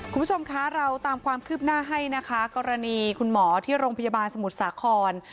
คุณผู้ชมคะเราตามความคืบหน้าให้นะคะกรณีคุณหมอที่โรงพยาบาลสมุทรสาคร